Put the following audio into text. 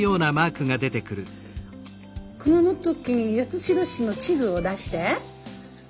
熊本県八代市の地図を出して。